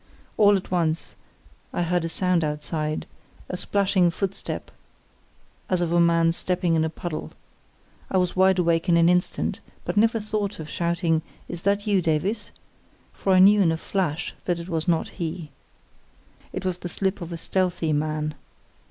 All at once I heard a sound outside, a splashing footstep as of a man stepping in a puddle. I was wide awake in an instant, but never thought of shouting "Is that you, Davies?" for I knew in a flash that it was not he. It was the slip of a stealthy man.